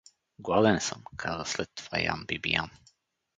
— Гладен съм — каза след това Ян Бибиян.